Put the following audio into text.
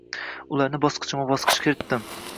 Ularni bosqichma-bosqich kiritdim.